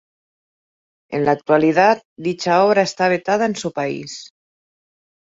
En la actualidad dicha obra está vetada en su país.